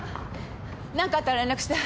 何かあったら連絡して。